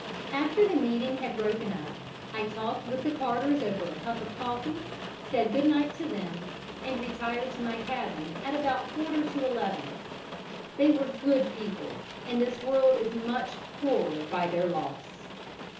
After the meeting had broken up, I talked with the Carters over a cup of coffee, said good night to them, and retired to my cabin at about quarter to eleven. They were good people and this world is much poorer by their loss.